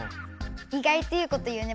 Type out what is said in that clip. いがいといいこと言うね。